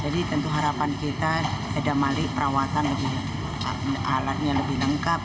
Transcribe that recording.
jadi tentu harapan kita adamalik perawatan alatnya lebih lengkap